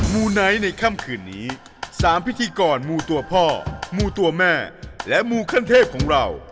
มูไนท์ในค่ำคืนนี้๓พิธีกรมูตัวพ่อมูตัวแม่และมูขั้นเทพของเรา